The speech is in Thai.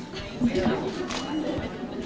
เกิดไหม